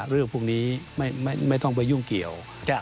เรื่องพวกนี้ไม่ต้องไปยุ่งเกี่ยว